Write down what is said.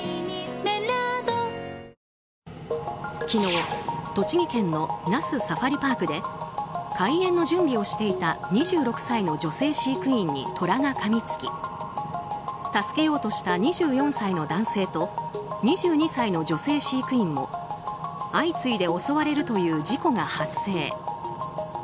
昨日、栃木県の那須サファリパークで開園の準備をしていた２６歳の女性飼育員にトラがかみつき助けようとした２４歳の男性と２２歳の女性飼育員も相次いで襲われるという事故が発生。